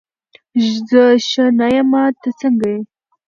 زه ښه نه یمه، ته څنګه یې؟